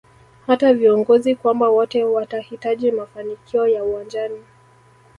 hata viongozi kwamba wote watahitaji mafanikio ya uwanjani